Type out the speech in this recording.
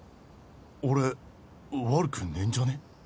俺悪くねえんじゃね？